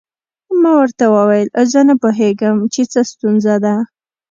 ما ورته وویل زه نه پوهیږم چې څه ستونزه ده.